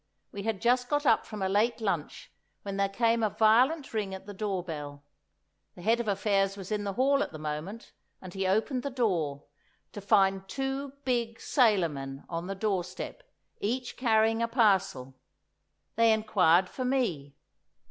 We had just got up from a late lunch when there came a violent ring at the door bell. The Head of Affairs was in the hall at the moment, and he opened the door—to find two big sailor men on the doorstep, each carrying a parcel. They inquired for me.